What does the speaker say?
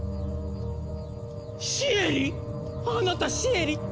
シエリ⁉あなたシエリ？